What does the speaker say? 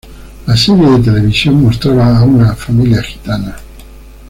La serie de televisión mostraba a una familia gitana.